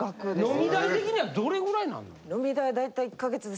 飲み代的にはどれぐらいなんの？